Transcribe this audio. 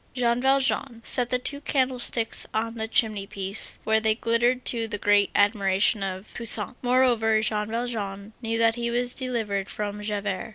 Jean Valjean set the two candlesticks on the chimney piece, where they glittered to the great admiration of Toussaint. Moreover, Jean Valjean knew that he was delivered from Javert.